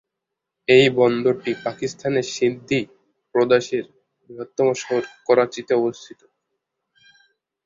এই বন্দরটি পাকিস্তানের সিন্ধি প্রদেশের বৃহত্তম শহর করাচিতে অবস্থিত।